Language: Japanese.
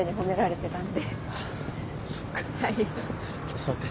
座って。